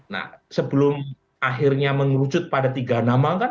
nah sebelum akhirnya mengerucut pada tiga nama kan